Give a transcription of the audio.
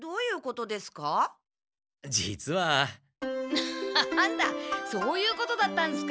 なんだそういうことだったんですか。